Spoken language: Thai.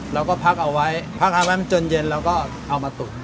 เราก็พักเอาไว้พักเอาไว้มันจนเย็นเราก็เอามาตุ๋น